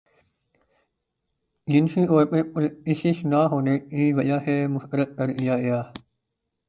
جنسی طور پر پرکشش نہ ہونے کی وجہ سے مسترد کیا گیا